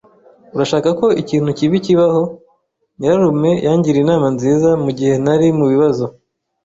Urashaka ko ikintu kibi kibaho? Nyirarume yangiriye inama nziza mugihe nari mubibazo.